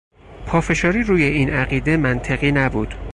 پافشاری روی این عقیده منطقی نبود.